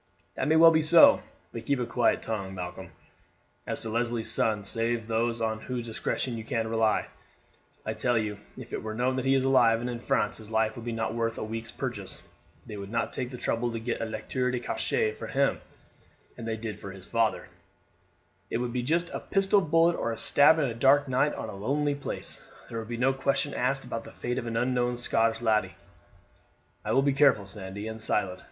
"That may well be so; but keep a quiet tongue, Malcolm, as to Leslie's son, save to those on whose discretion you can rely. I tell you, if it were known that he is alive and in France his life would not be worth a week's purchase. They would not take the trouble to get a lettre de cachet for him as they did for his father; it would be just a pistol bullet or a stab on a dark night or in a lonely place. There would be no question asked about the fate of an unknown Scotch laddie." "I will be careful, Sandy, and silent.